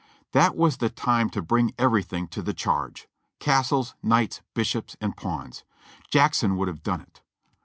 That was the time to bring everything to the charge ; castles, knights, bishops, and pawns. Jackson would have done it!